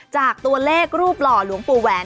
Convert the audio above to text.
จากตัวเลขรูปหล่อหลวงปู่แหวน